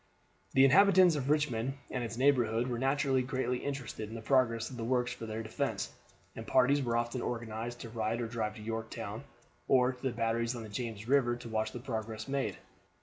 The inhabitants of Richmond and its neighborhood were naturally greatly interested in the progress of the works for their defense, and parties were often organized to ride or drive to Yorktown, or to the batteries on the James River, to watch the progress made.